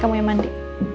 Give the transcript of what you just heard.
kamu yang mandi